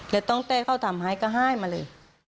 แล้วต้องเต้เขาทำให้ก็ให้มาเลย